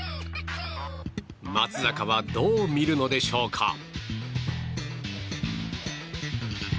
松坂はどう見るのでしょうか。